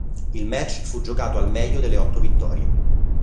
Il match fu giocato al meglio delle otto vittorie.